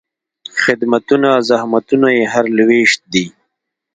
خدمتونه، زحمتونه یې هر لوېشت دي